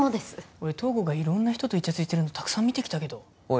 俺東郷が色んな人とイチャついてるのたくさん見てきたけどおい